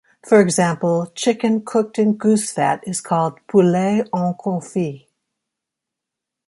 For example, chicken cooked in goose fat is called "poulet en confit".